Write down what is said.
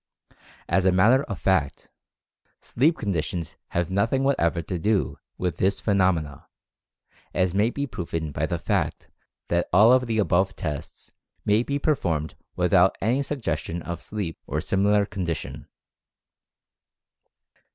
As a matter of fact, sleep conditions have nothing whatever to do with this phenomena, as may be proven by the fact that all of the above tests may be performed without any suggestion of sleep or similar condition.